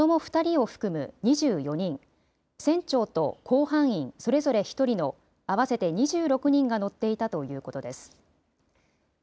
観光船には、子ども２人を含む２４人、船長と甲板員それぞれ１人の合わせて２６人が乗っていたということです。